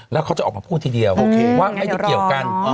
แล้วเขาจะออกมาพูดทีเดียวว่าไม่ได้เกี่ยวกัน